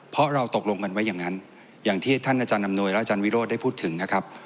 เพราะเราตกลงกันไว้อย่างนั้นอย่างที่ท่านอาจารย์อำนวยและอาจารย์วิโรธได้พูดถึงนะครับ